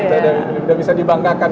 sudah bisa dibanggakan